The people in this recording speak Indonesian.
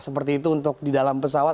seperti itu untuk di dalam pesawat